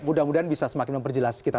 mudah mudahan bisa semakin memperjelas kita